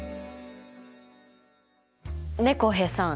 ねえ浩平さん。